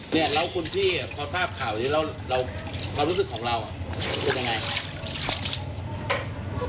เนี่ยแล้วคุณพี่พอทราบข่าวนี้แล้วความรู้สึกของเราเป็นยังไง